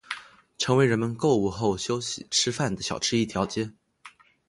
成为人们购物后休息吃饭的小吃一条街。